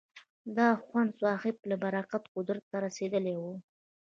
د اخوندصاحب له برکته قدرت ته رسېدلي ول.